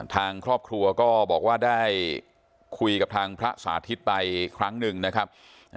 ทางครอบครัวก็บอกว่าได้คุยกับทางพระสาธิตไปครั้งหนึ่งนะครับ